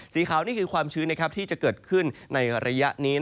สีขาวนี่คือความชื้นที่จะเกิดขึ้นในระยะนี้